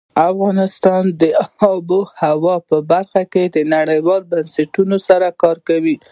افغانستان د آب وهوا په برخه کې نړیوالو بنسټونو سره کار کوي.